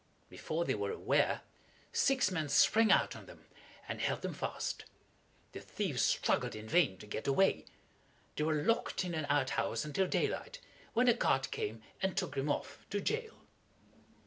Before they were aware, six men sprang out on them, and held them fast. The thieves struggled in vain to get away. They were locked in an out house until daylight, when a cart came and took them off to jail.